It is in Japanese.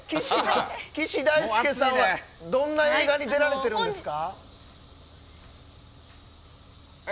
岸大介さんはどんな映画に出られてるんですか。